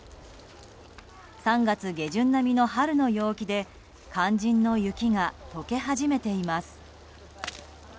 ３月下旬並みの春の陽気で肝心の雪が解け始めています。